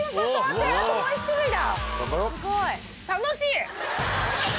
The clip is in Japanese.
あともう１種類だ！